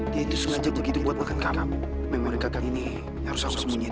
dia itu sengaja begitu buat menghukum kamu memori kartu ini harus aku sembunyikan